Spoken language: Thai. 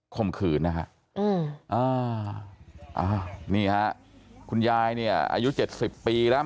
คมขืนนะฮะอ่านี่ฮะคุณยายเนี่ยอายุ๗๐ปีแล้ว